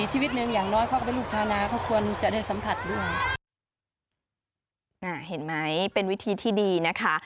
เห็นไหมเป็นวิธีที่ดีนะคะ